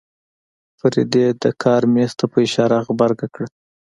فريدې د کار مېز ته په اشاره غبرګه کړه.